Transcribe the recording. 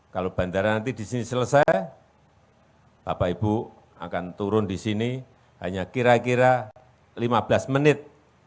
kalau bandara nanti di sini selesai bapak ibu akan turun di sini hanya kira kira lima belas menit